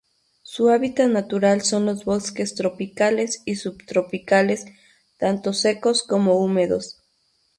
Su hábitat natural son los bosques tropicales y subtropicales tanto secos como húmedos.